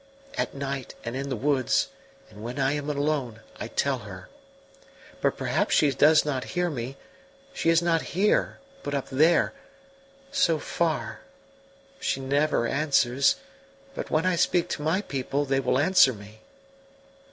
At night, and in the woods, and when I am alone I tell her. But perhaps she does not hear me; she is not here, but up there so far! She never answers, but when I speak to my people they will answer me."